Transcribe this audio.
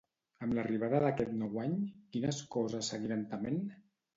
Amb l'arribada d'aquest nou any, quines coses seguiran tement?